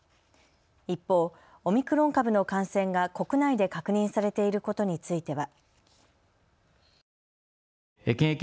一方、オミクロン株の感染が国内で確認されていることについては。